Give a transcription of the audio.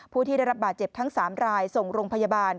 ผู้ที่ได้รับบาดเจ็บทั้ง๓รายส่งโรงพยาบาล